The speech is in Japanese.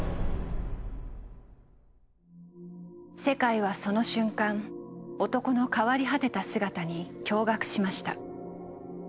世界はその瞬間男の変わり果てた姿に驚愕しました。